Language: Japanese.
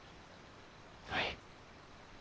はい。